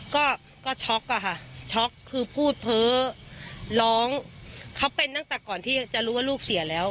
ก็ก็ช็อกอะค่ะช็อกคือพูดเพ้อร้องเขาเป็นตั้งแต่ก่อนที่จะรู้ว่าลูกเสียแล้ว